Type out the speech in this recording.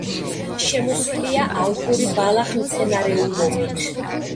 შემოსილია ალპური ბალახმცენარეულობით.